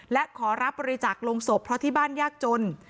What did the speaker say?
และขอรับบริจาคลงศพเพราะที่บ้านยากจน